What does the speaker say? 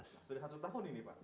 sudah satu tahun ini pak